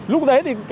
lúc đấy thì